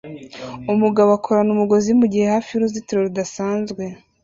Umugabo akorana umugozi mugihe hafi yuruzitiro rudasanzwe